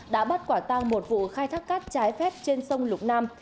đã bắt quả tăng một vụ khai thác cát trái phép trên sông lục nam